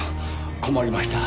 困りました。